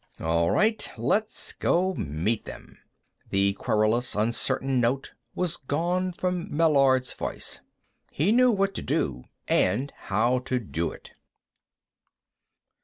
"All right; let's go meet them." The querulous, uncertain note was gone from Meillard's voice; he knew what to do and how to do it.